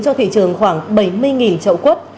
cho thị trường khoảng bảy mươi chậu quốc